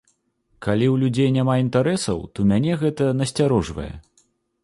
Калі ў людзей няма інтарэсаў, то мяне гэта насцярожвае.